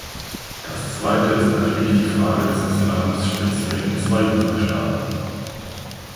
Das zweite ist natürlich die Frage des Islams speziell in zwei dieser Staaten.